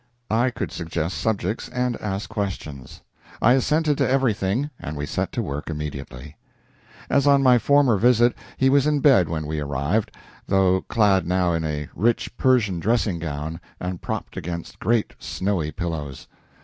I could suggest subjects and ask questions. I assented to everything, and we set to work immediately. As on my former visit, he was in bed when we arrived, though clad now in a rich Persian dressing gown, and propped against great, snowy pillows.